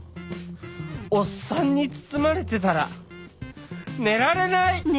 おっさんに包まれてたら寝られない！